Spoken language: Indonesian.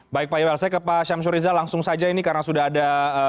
baik pak yowel saya ke pak syamsur rizal langsung saja ini karena sudah ada